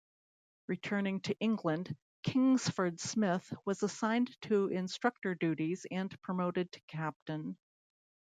Returning to England, Kingsford Smith was assigned to instructor duties and promoted to Captain.